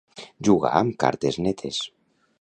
Jugar amb cartes netes.